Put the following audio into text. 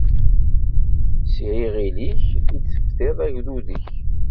S yiɣil-ik i d-tefdiḍ agdud-ik.